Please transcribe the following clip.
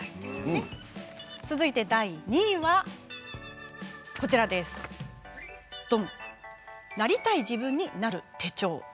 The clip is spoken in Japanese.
続いて第２位は「なりたい自分になる手帳」。